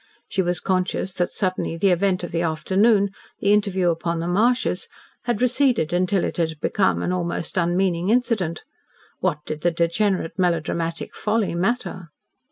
She was conscious that suddenly the event of the afternoon the interview upon the marshes, had receded until it had become an almost unmeaning incident. What did the degenerate, melodramatic folly matter